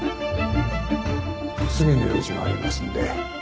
次の用事がありますんで。